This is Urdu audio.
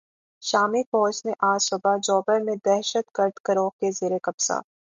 شامی فوج نے آج صبح "جوبر" میں دہشتگرد گروہ کے زیر قبضہ